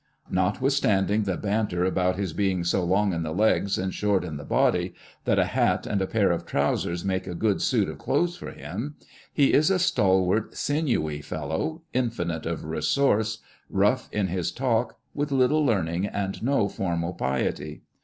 Notwithstanding the banter about his being so long in the legs and short in the body, that a hat and a pair of trousers make a good suit of clothes for him, he is a stal wart sinewy fellow, infinite of resource, rough in his talk, with little learning and no formal piety.